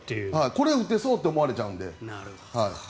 これ、打てそうって思われちゃうんで。